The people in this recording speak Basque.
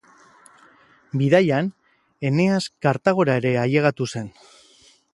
Bidaian, Eneas Kartagora ere ailegatu zen.